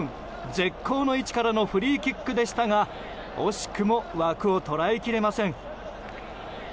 絶好の位置からのフリーキックでしたが惜しくも枠を捉えきれません。